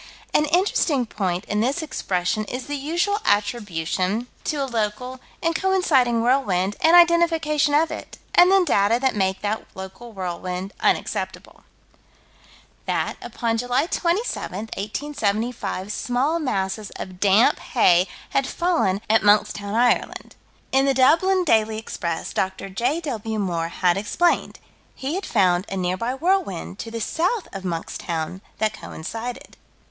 An interesting point in this expression is the usual attribution to a local and coinciding whirlwind, and identification of it and then data that make that local whirlwind unacceptable That, upon July 27, 1875, small masses of damp hay had fallen at Monkstown, Ireland. In the Dublin Daily Express, Dr. J.W. Moore had explained: he had found a nearby whirlwind, to the south of Monkstown, that coincided.